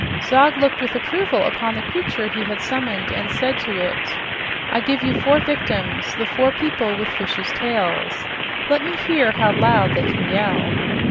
Zog looked with approval upon the creature he had summoned and said to it, "I give you four victims, the four people with fish's tails. Let me hear how loud they can yell."